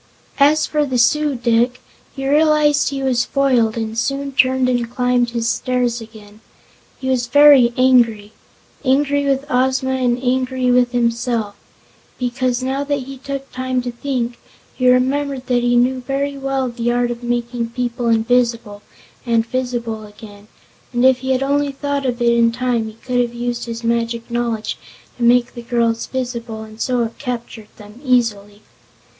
As for the Su dic, he realized he was foiled and soon turned and climbed his stairs again. He was very angry angry with Ozma and angry with himself because, now that he took time to think, he remembered that he knew very well the art of making people invisible, and visible again, and if he had only thought of it in time he could have used his magic knowledge to make the girls visible and so have captured them easily.